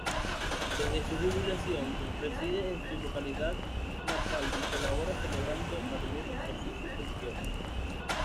Desde su jubilación, reside en su localidad natal y colabora celebrando algunos oficios religiosos.